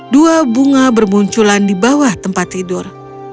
dua bunga bermunculan di bawah tempat tidur